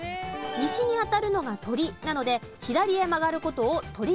西に当たるのが「とり」なので左へ曲がる事を取舵